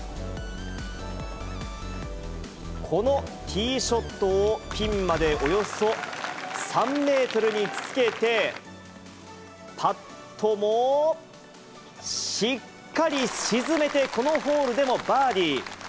このティーショットを、ピンまでおよそ３メートルにつけて、パットもしっかり沈めて、このホールでもバーディー。